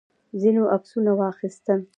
ځینو عکسونه واخیستل.